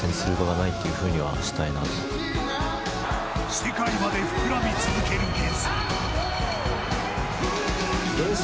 世界まで膨らみ続ける幻想。